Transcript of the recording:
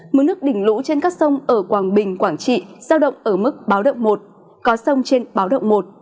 mưa nước đỉnh lũ trên các sông ở quảng bình quảng trị giao động ở mức báo động một có sông trên báo động một